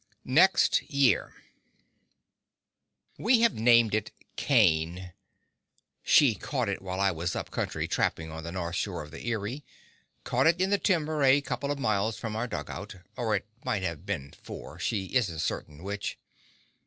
Next Year We have named it Cain. She caught it while I was up country trapping on the North Shore of the Erie; caught it in the timber a couple of miles from our dug out—or it might have been four, she isn't certain which.